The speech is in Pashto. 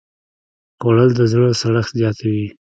خوړل د زړه سړښت زیاتوي